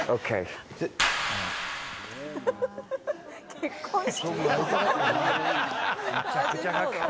結婚式？